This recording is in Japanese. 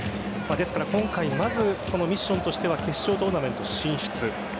ですから今回まず、そのミッションとしては決勝トーナメント進出。